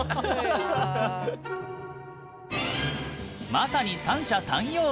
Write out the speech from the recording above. まさに三者三様！